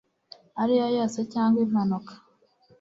ariyo yose cyangwa impanuka